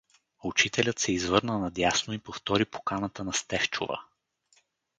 Учителят се извърна надясно и повтори поканата на Стефчова.